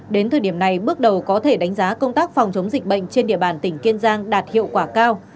đến thời điểm này bước đầu có thể đánh giá công tác phòng chống dịch bệnh trên địa bàn tỉnh kiên giang đạt hiệu quả cao